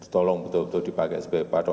tolong betul betul dipakai sebaik patuh